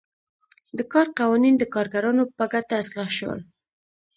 د کار قوانین د کارګرانو په ګټه اصلاح شول.